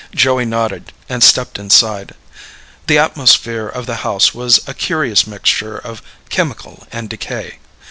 Joey nodded and stepped inside. The atmosphere of the house was a curious mixture of chemical and decay.